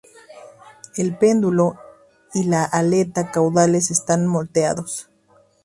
El pedúnculo y la aleta caudales están moteados.